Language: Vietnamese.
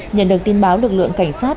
nhận được tin báo lực lượng cảnh sát